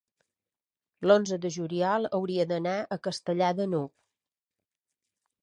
l'onze de juliol hauria d'anar a Castellar de n'Hug.